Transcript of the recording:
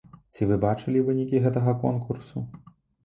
Ці вы бачылі вынікі гэтага конкурсу?